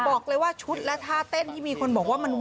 บอกเลยว่าชุดและท่าเต้นที่มีคนบอกว่ามันวาบวิวเนี่ย